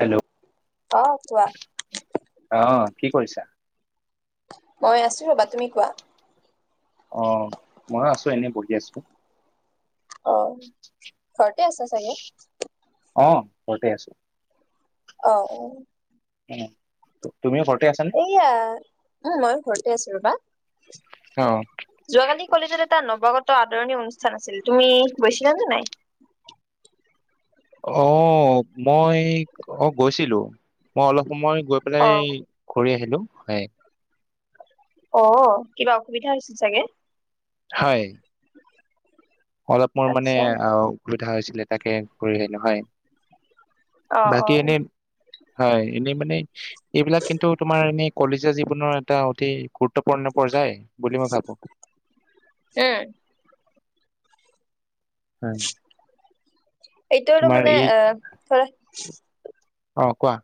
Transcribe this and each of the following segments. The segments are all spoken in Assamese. হেল্ল' অ কোৱা অঁ কি কৰিছা মই আছো ৰবা তুমি কোৱা অঁ মই আছো এনেই বহি আছো অঁ ঘৰতে আছা চাগে অঁ ঘৰতে আছো অঁ অঁ উম এয়া উম মই ঘৰতে আছিলো ৰবা অ যোৱাকালি কলেজত এটা নৱাগত আদৰণি অনুষ্ঠান আছিল তুমি গৈছিলা নে নাই অঁ মই অঁ গৈছিলো মই অলপ মই গৈ অ পেলাই ঘূৰি আহিলো হয় অঁ কিবা অসুবিধা হৈছে চাগে হয় [unintelligible] অলপ মোৰ মানে আচ্ছা অঁ খাই আছিলো তাকে কৰি আহিলো হয় অঁ বাকী অঁ এনেই হয় এনেই মানে এইবিলাক কিন্তু তোমাৰ এনেই কলেজীয়া জীৱনৰ এটা অতি গুৰুত্বপূৰ্ণ পৰ্যায় বুলি মই ভাবো উম হয় এইটো তোমাৰ মানে এই অঁ ধৰা [unintelligible] অঁ কোৱা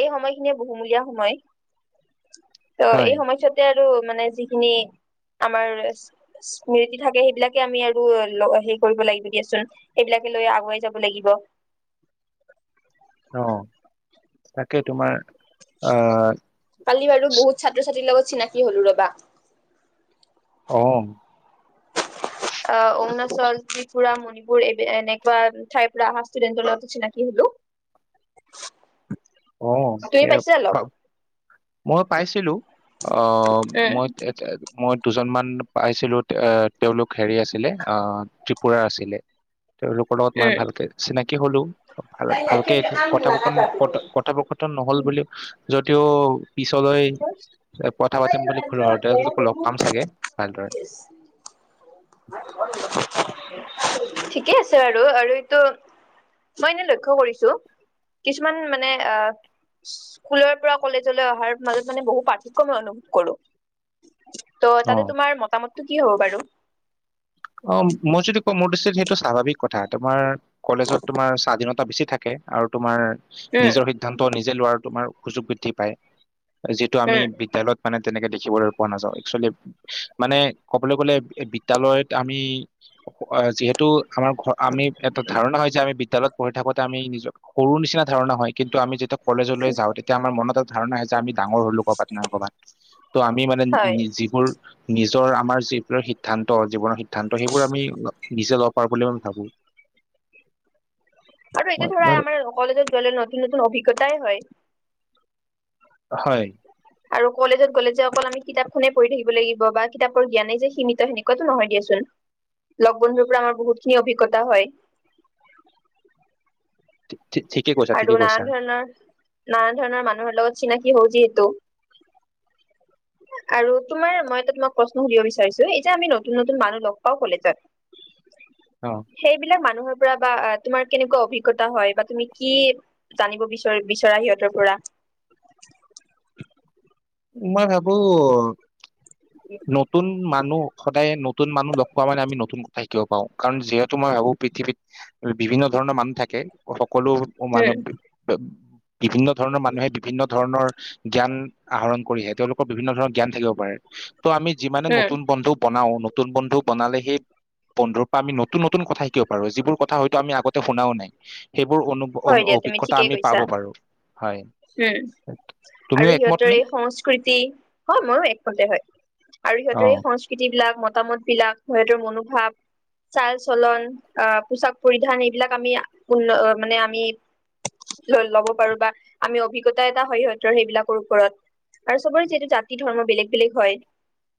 এই সময়খিনিয়ে বহুমূলীয়া সময় ত' হয় এই সময়ছোৱাতে মানে যিখিনি আমাৰ স্মৃতি থাকে সেইবিলাকে আমি আৰু হেৰি কৰিব লাগিব দিয়াচোন সেইবিলাকে লৈ আগুৱাই যাব লাগিব অ তাকে তোমাৰ অ কালি বাৰু বহুত ছাত্ৰ ছাত্ৰীৰ লগত চিনাকি হলো ৰবা অ অ অৰুণাচল ত্ৰিপুৰা মণিপুৰ বোৰ এনেকুৱা ঠাইৰ পৰা ইস্টুডেণ্টৰ লগত চিনাকি হলো অ তুমি পাইছা লগ মই পাইছিলো অ উম মইতে মই দুজনমান পাইছিলো তেওঁলোক হেৰি আছিলে আহ ত্ৰিপুৰাৰ আছিলে তেওঁলোকৰ লগত মই ভালকে চিনাকি কি কলো নাই ন আমি না নটাতি [unintelligible] কথাাপকথন নহল বুলিও যদিও পিছলৈ কথা পাতিম বুলি খোলা হয়, তেওঁলোকো লগ পাম চাগে ভালদৰে [unintelligible] ঠিকে আছে আৰু আৰু এইটো মই এনেই লক্ষ্য় কৰিছো কিছুমান মানে অ স্কুলৰ পৰা কলেজলৈ অহাৰ ম মানে বহু পাৰ্থক্য অ অনুভ কৰো ত' অ তাতে তোমাৰ মতামত টো কি হ'ব বাৰু অ মই যদি কওঁ মোৰ দৃষ্টিত সেইটো স্বাভাৱিক কথা তোমাৰ কলেজত তোমাৰ স্বাধীনতা বেছি থাকে আৰু তোমাৰ উম নিজৰ সিদ্ধান্ত নিজে লোৱাৰ তোমাৰ সুযোগ বৃদ্ধি পায় যিটো আমি উম বিদ্যালয়ত মানে তেনেকে দেখিবলৈ পোৱা নাযাওঁ এক্চুৱেলি মানে ক'বলৈ গ'লে বিদ্যালয়ত আমি যিহেতু টো আমাৰ ঘৰ আমি এটা ধাৰণা হয় যে আমি বিদ্যালয়ত পঢ়ি থাকোতে আমি নিজৰ সৰু নিচিনা ধাৰণা হয় কিন্তু আমি যেতিয়া কলেজলৈ যাওঁ তেতিয়া আমাৰ মনত ধাৰণা হৈছে আমি ডাঙৰ হলো কথাটো নকবা আমি মানে হয় যিবোৰ নিজৰ আমাৰ যিবিলাক সিদ্ধান্ত জীৱনৰ সিদ্ধান্ত সেইবোৰ আমি ল- নিজে ল'ব ভাবো আৰু এইটো মই- ধৰা মই- আমাৰ কলেজত গলে নতুন নতুন অভিজ্ঞতাই হয় হয় আৰু কলেজত গ'লে যে অকল আমি কিতাপখনেই পঢ়ি থাকিব লাগিব বা কিতাপৰ জ্ঞানে যে সীমিত সেনেকুৱাতো নহয় দিয়াচোন লগ বন্ধুৰ পৰা আমাৰ বহুত খিনি অভিজ্ঞতা হয়। [unintelligible] কৈছা ঠিকে আৰু কৈছা নানান ধৰণৰ নানান ধৰণৰ মানুহ ভাল মানুহৰ লগত চিনাকি হও যিহেতু আৰু তোমাৰ মই ত তোমাক প্ৰশ্ন সুধিব বিচাৰিছো এই যে আমি নতুন নতুন মানুহ লগ পাওঁ অ কলেজত সেইবিলাক মানুহৰ বা তোমাৰ কেনেকুৱা অভিজ্ঞতা হয় বা তুমি কি জানিব বিচৰা সিহঁতৰ পৰা মই ভাবো নতুন মানুহ সদায় নতুন মানুহ লগ পোৱা মানে আমি নতুন কথা শিকিব পাৰো কাৰণ যিহেতু মই ভাবো পৃথিৱীত বিভিন্ন ধৰণৰ মানুহ থাকে সক সকলো অ উম মানৱ বিভিন্ন ধৰণৰ মানুহে বিভিন্ন ধৰণৰ জ্ঞান আহৰণ কৰি আহে তেওঁলোকৰ বিভিন্ন ধৰণৰ জ্ঞান থাকিব পাৰে ত' আমি যিমানে উম নতুন বন্ধু বনাও নতুন বন্ধু বনালে সেই বন্ধুৰ পৰা আমি নতুন নতুন কথা শিকিব পাৰো যিবোৰ কথা হয়তো আমি আগতে শুনাও নাই সেইবোৰ অনু হয় দিয়া তুমি অভিজ্ঞতা ঠিকেই আমি কৈছা পাব পাৰো হয় উম তুমিও আৰু একমত সিহঁতৰ নে? এই সংস্কৃতি হয় ময়ো একমতে হয় আৰু অ সিহঁতৰ এই সংস্কৃতি বিলাক মত মতামত বিলাক সিহতৰ মনোভাৱ চাল চলন আহ পোচাক পৰিধান এইবিলাক আমি উন্ন মানে আমি ল'ব পাৰো বা আমি অভিজ্ঞতা হয় সিহঁতৰ সেইবিলাকৰ ওপৰত আৰু চবৰে যিহেতু জাতি ধৰ্ম বেলেগ বেলেগ হয়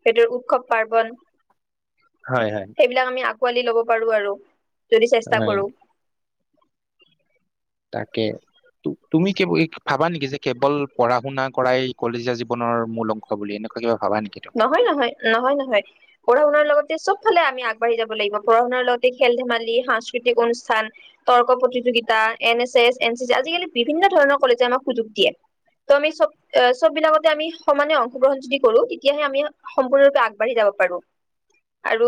সিহঁতৰ উৎসৱ পাৰ্বন হয় হয় সেইবিলাক আমি আগ পোৱালি ল'ব পাৰো আৰু যদি চেষ্টা হয় কৰো তাকে ত তুমি কে ভাবা নেকি যে কেৱল পঢ়া শুনা কৰাই কলেজীয়া জীৱনৰ মূল অংশ বুলি এনেকুৱা কিবা ভাবা নেকি তুমি নহয় নহয় নহয় নহয় পঢ়া শুনাৰ লগতে চব ফালে আমি আগ আগবাঢ়ি যাব লাগিব পঢ়াৰ লগতে খেল-ধেমালি, সাংস্কৃতিক অনুষ্ঠান, তৰ্ক প্ৰতিযোগিতা, N S S, N C C আজিকালি বিভিন্ন ধৰণৰ কলেজে আমাক সুযোগ দিয়ে, ত' আমি চব চব বিলাকতে আমি সমানে অংশ গ্ৰহণ যদি কৰো। তেতিয়াহে আমি সম্পূৰ্ণৰূপে আগবাঢ়ি যাব পাৰো আৰু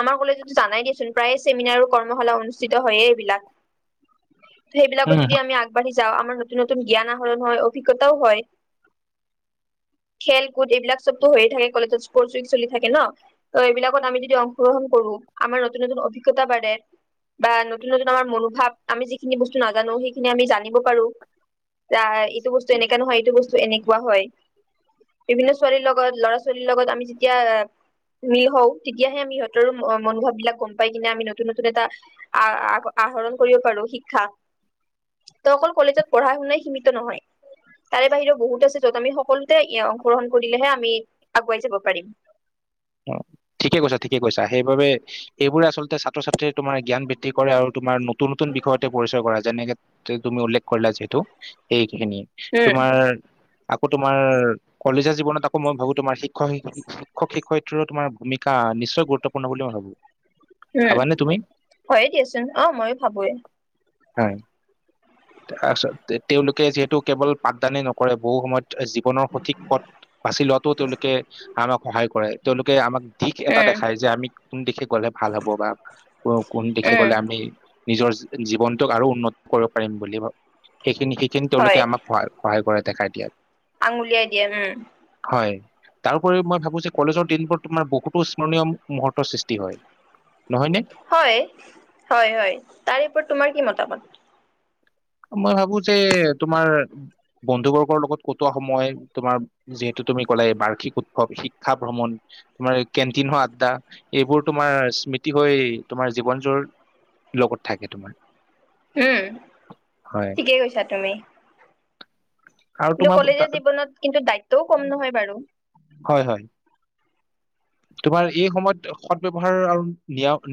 আমাৰ কলেজতো জানাই দিয়চোন প্ৰায় চেমিনাৰ কৰ্মশালা অনুষ্ঠিত হয়য়ে এইবিলাক সেইবিলাকো উম যদি আমি আগবাঢ়ি যাও আমাৰ নতুন নতুন জ্ঞান আহৰণ হয় অভিজ্ঞতাও হয়। খেল- এইবিলাক চবটো হৈয়ে থাকে কলেজত স্পচ-ওইক চলি থাকে ন, ত এইবিলাকত আমি যদি অংশ গ্ৰহণ কৰো আমাৰ নতুন নতুন অভিজ্ঞতা বাঢ়ে বা নতুন নতুন আমাৰ মনোভাৱ আমি যিখিনি বস্তু নাজানো সেইখিনি আমি জানিব পাৰো বা এইটো বস্তু এনেকুৱা নহয়, এইটো বস্তু এনেকুৱা হয়। বিভিন্ন ছোৱালীৰ লগত ল'ৰা-ছোৱালীৰ লগত আমি যেতিয়া মিল হওঁ তেতিয়াহে আমি সিহঁতৰো মনোভাৱ বিলাক গম পাই কিনে আমি নতুন নতুন এটা আহ আহৰণ কৰিব পাৰো শিক্ষা। ত অকল কলেজত পঢ়া শুনাই সীমিত নহয় তাৰে বাহিৰেও বহুত আছে যত আমি সকলোতে অংশ- গ্ৰহণ কৰিলেহে আমি আগুৱাই যাব পাৰিম এইবোৰ আচল ছাত্ৰ ছাত্ৰীয়ে তোমাৰ জ্ঞান বৃদ্ধি কৰে আৰু তোমাৰ নতুন ত নতুন বিষয়তে পৰিচয় কৰা যেনেকে তুমি উল্লেখ কৰিলা যিহেতু সেইখিনিয়ে উম তোমাৰ আকৌ তোমাৰ কলেজীয়া জীৱনত আকৌ মই ভাবো তোমাৰ শিক্ষক শিক্ষয়িত্ৰী তোমাৰ ভূমিকা নিশ্চয় গুৰুত্বপূৰ্ণ বুলি মই ভাবো উম', ভাবানে তুমি হয়ে দিয়াচোন অ', ময়ো ভাবোৱেই। হয়', তাৰপিছত তেওঁলোকে যিহেতু কেৱল পাঠদানে নকৰে বহু সময়ত জীৱনৰ সঠিক পথ বাছি লোৱাটো তেওঁলোকে আনক সহায় কৰে। তেওঁলোকে আমাক, দিশ এটা উম দেখাই যে, আমি কোন দিশে গ'লে ভাল হ'ব বা কোন দিশে উম গলে আমি নিজৰ জীৱনটোক আৰু উন্নত কৰিব পাৰিম বুলি ভা, সেইখিনি -সেইখিনি তেওঁলোকে হয় আমাক সহায়-সহায় কৰে। দেখাই দিয়াত। আঙুলিয়াই দিয়ে উম',। হয়', তাৰোপৰি মই ভাবো যে', কলেজৰ দিনবোৰ তোমাৰ বহুতো স্মৰণীয় মুহূৰ্তৰ সৃষ্টি হয়। নহয়নে? হয়', -হয়', - হয়', তাৰে ওপৰত তোমাৰ কি মতামত? মই ভাবো যে, তোমাৰ বন্ধু বৰ্গৰ লগত কতোৱা সময় তোমাৰ যিহেতু তুমি কলায় বাৰ্ষিক উৎসৱ শিক্ষা ভ্ৰমণ তোমাৰ কেণ্টিনৰ আড্ডা এইবোৰ তোমাৰ স্মৃতি হৈ তোমাৰ জীৱন যোৰ লগত থাকে, তোমাৰ। হম', হয় ঠিকেই কৈছা তুমি', আৰু কিন্তু তোমাৰ কলেজীয়া তা- জীৱনত কিন্তু দায়িত্বও কম নহয় বাৰু। হয় হয় তোমাৰ এই সময়ত, সদ ব্যৱহাৰ আৰু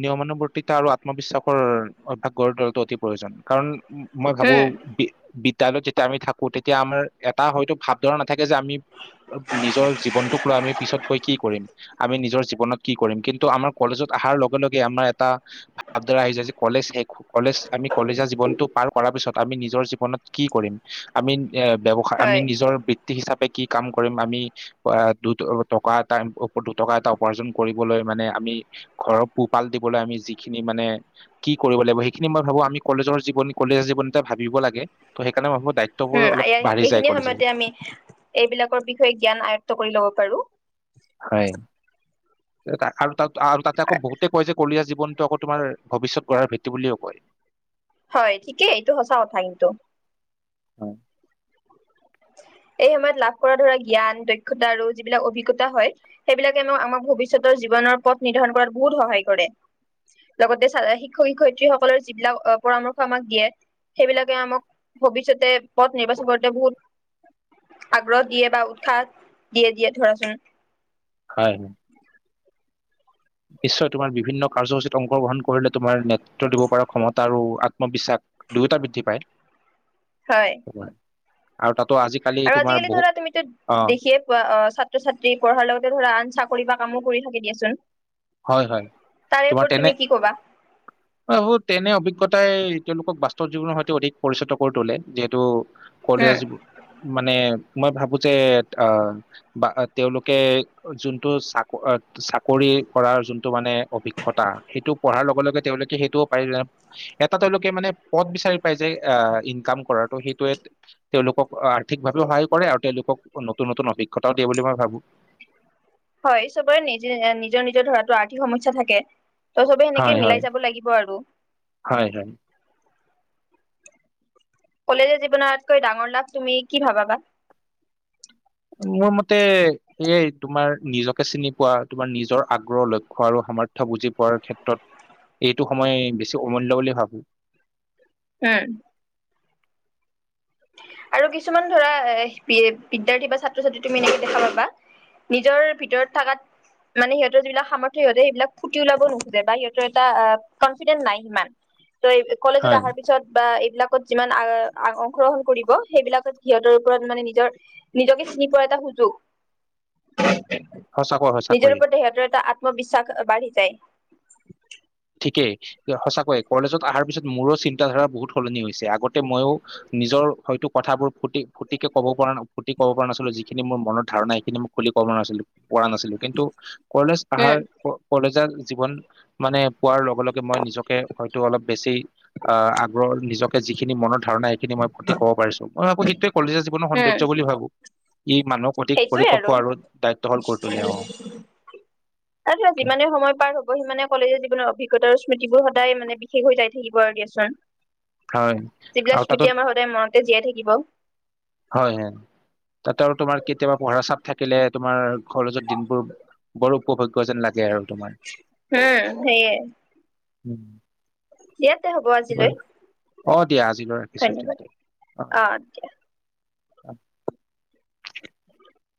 নিয়মানুৱৰ্তিতা আৰু আত্মবিশ্বাসৰ অভ্যাস গঢ়ি লোৱাটো অতি প্ৰয়োজন কাৰণ মই ভাবো উম বি, তাইলৈ যেতিয়া আমি থাকোঁ তেতিয়া আমাৰ এটা হয়তো ভাৱধাৰা নাথাকে যে', - আমি নিজৰ জীৱনটোক লৈ আমি পিছত গৈ কি কৰিম। আমি নিজৰ জীৱনত কি কৰিম কিন্তু আমাৰ কলেজত আহাৰ লগে-লগে আমাৰ এটা ভাৱধাৰা আহি যায় যে', -কলেজ শেষ, কলেজ আমি, কলেজীয়া জীৱনটো পাৰ কৰাৰ পিছত আমি নিজৰ জীৱনত কি কৰিম আমি এ', ব্যৱসায় আমি হয় নিজৰ বৃত্তি হিচাপে, কি', কাম কৰিম আমি দু', -টকা এটা, দুটকা এটা উপাৰ্জন কৰিবলৈ মানে আমি ঘৰৰ পোহপাল দিবলৈ আমি যিখিনি মানে কি', কৰিব লাগিব সেইখিনি মই ভাবো আমি কলেজৰ জীৱনী কলেজৰ জীৱনী এটা ভাবিব লাগে ত', সেইকাৰণে ভাবো দায়িত্ববোৰ উম অলপ বাঢ়ি ', যায় এইখিনি কলেজৰ সময়তে আমি এইবিলাকৰ বিষয়ে জ্ঞান আয়ত্ব কৰি লব পাৰো। হয়', আৰু তাত আৰু তাতে আকৌ বহুতে কয় যে কলিয়া জীৱনটো আকৌ তোমাৰ ভৱিষ্যত গঢ়াৰ ভেটি বুলিও কয়। হয়', ঠিকেই এইটো সঁচা কথা কিন্তু। হয়', এই সময়ত লাভ কৰা ধৰা জ্ঞান দক্ষতা আৰু যিবিলাক অভিজ্ঞতা হয়, সেইবিলাকে হেনো আমাক আমাক ভৱিষ্যতৰ জীৱনৰ পথ নিৰ্ধাৰণ কৰাত বহুত সহায় কৰে। লগতে শিক্ষক শিক্ষয়িত্ৰীসকলে যিবিলাক পৰামৰ্শ আমাক দিয়ে সেইবিলাকে আমাক ভৱিষ্যতে পথ নিৰ্বাচন কৰোতে বহুত আগ্ৰহ দিয়ে বা উৎসাহ দিয়ে-দিয়ে ধৰাচোন, হয়', নিশ্চয় তোমাৰ বিভিন্ন কাৰ্যসূচীত অংশগ্ৰহণ কৰিলে তোমাৰ নেতৃত্ব দিব পৰা ক্ষমতা আৰু আত্ম-বিশ্বাস দুয়োটা বৃদ্ধি পাই। হয়', আৰু তাত, আৰু আজিকালি ধৰা তুমিতো দেখিয়ে পোৱা ছাত্ৰ-ছাত্ৰী পঢ়াৰ লগতে ধৰা, আন চাকৰি বা কামো কৰি থাকে দিয়াচোন। হয়', -হয়', তাৰে তোমাৰ ওপৰত তুমি কি কবা তেনে-তেনে অভিজ্ঞ, তাই তেওঁলোকক বাস্তৱ জীৱনৰ সৈতে অধিক পৰিচিত কৰি তোলে। যিহেতু উম কলেজ মানে মই ভাবো যে বা তেওঁলোকে যোনটো চাক চাকৰি কৰাৰ যোনটো মানে অভিজ্ঞতা সেইটো পঢ়াৰ লগে লগে তেওঁলোকে সেইটোও প এটা তেওঁলোকে মানে পদ বিচাৰি পাই যে আহ ইনকাম কৰাটো সেইটোৱে তেওঁলোকক আৰ্থিকভাৱেও সহায় কৰে আৰু তেওঁলোকক নতুন নতুন অভিজ্ঞতাও দিয়ে বুলি মই ভাবো হয় চবৰে নিজ নিজৰ নিজৰ ধৰাতো আৰ্থিক সমস্যা থাকে। তই চবে হয় সেনেকে হয় মিলাই যাব লাগিব আৰু হয় হয় কলেজৰ জীৱনতকৈ ডাঙৰ লাভ তুমি কি ভাবাবা মোৰ মতে সেয়াই তোমাৰ নিজকে চিনি পোৱা তোমাৰ নিজৰ আগ্ৰহ লক্ষ্য আৰু সামৰ্থ্ বুজি পোৱাৰ ক্ষেত্ৰত এইটো সময় বেছি অমূল্য বুলি ভাবো উম আৰু কিছুমান ধৰা এ বিদ্যাৰ্থী বা ছাত্ৰ-ছাত্ৰী তুমি এনেকে দেখা পাবা নিজৰ ভিতৰত থকাত মানে সিহঁতৰ যিবিলাক সামৰ্থ সিহঁতে সেইবিলাক ফুটি ওলাব নোখোজে বা সিহঁতৰ এটা কনফিডেন্ঞ্চ নাই সিমান ত এই কলেজত হয় অহাৰ পিছত বা এইবিলাক ত যিমান আ গ্ৰহণ কৰিব সেইবিলাকত সিহঁতৰ ওপৰত মানে নিজৰ নিজকে চিনি পোৱা এটা সুযোগ সঁচাকৈ সঁচাকৈ নিজৰ ওপৰত দেহতৰ এটা আত্মবিশ্বাস বাঢ়ি যায় সঁচাকৈয়ে কলেজত অহাৰ পিছত মোৰো চিন্তাধাৰা বহুত সলনি হৈছে আগতে মইও নিজৰ হয়তো কথাবোৰ ফুটি ফুটিকে ক'ব পৰা ফু্টি কব পৰা নাছিলো সিখিনি মোৰ মনৰ ধাৰণা সিখিনি মোক খুলি ক'ব নাছিলো কৰা নাছিলো কিন্তু কলেজ অহাৰ উম কলেজৰ জীৱন মানে পোৱাৰ লগে লগে মই নিজকে হয়তো অলপ বেছি আগ্ৰ নিজকে যিখিনি মনত ধাৰণা এইখিনি মই ফতি ক'ব পাৰিছো মই ভাবো সেইটোৱে কলেজৰ জীৱনৰ সৌন্দৰ্য বুলি ভাবো ই মানুহক অধিক সেইটোৱে পৰিপক্ক আৰু দায়িত্বশাল কৰি তোলে অ আৰু যিমানে সময় পাৰো সি মানে কলেজৰ জীৱনৰ অভিজ্ঞতা আৰু স্মৃতিবোৰ সদায় মানে বিশেষ হৈ যাই থাকিব আৰু দিয়াচোন হয় শিবিলা আৰু তাতো স্মৃতি সদায় মনত ত জীয়াই থাকিব হয় হয় তাত আৰু তোমাৰ কেতিয়াবা পঢ়া চাপ থাকিলে তোমাৰ খৰজত দিনবোৰ বৰ উপভোগ্য যেন লাগে আৰু তোমাৰ উম সেয়ে উম ইয়াতে হব আজিলৈ অ দিয়া আজিলৈ ৰাখিছো ধন্যবাদ তেনতে অ অ